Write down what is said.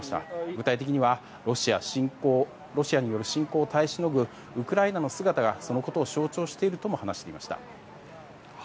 具体的にはロシアによる侵攻を耐え忍ぶウクライナの姿がそのことを象徴しているとも話していました。